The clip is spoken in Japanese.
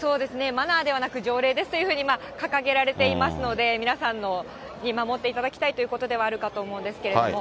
マナーではなく条例ですというふうに掲げられていますので、皆さんに守っていただきたいということではあるかと思うんですけれども。